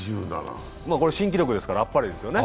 これは新記録ですから、あっぱれですよね。